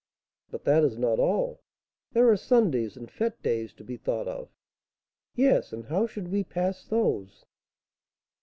"But that is not all. There are Sundays and fête days to be thought of." "Yes; and how should we pass those?"